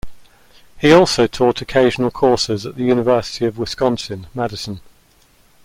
He also taught occasional courses at the University of Wisconsin-Madison.